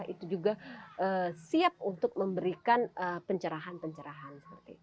itu juga siap untuk memberikan pencerahan pencerahan